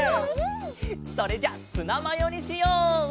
それじゃあツナマヨにしよう！